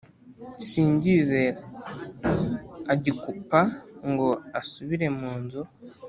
simbyizera"agikupa ngo asubire munzu